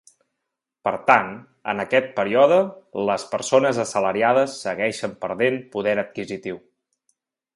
Per tant, en aquest període les persones assalariades segueixen perdent poder adquisitiu.